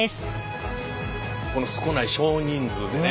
この少ない少人数でね